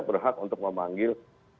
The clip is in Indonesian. berhak untuk memanggil